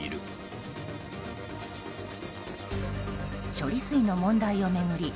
処理水の問題を巡り